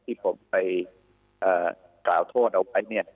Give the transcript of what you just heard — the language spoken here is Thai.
ที่ผมไปกล่าวโทษเอาไว้เนี่ย